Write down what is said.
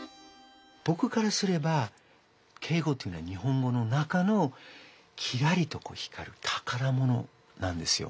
ぼくからすれば敬語っていうのは日本語の中のきらりと光る宝物なんですよ。